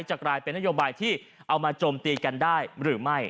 จะกลายเป็นนโยบายที่เอามาโจมตีกันได้หรือไม่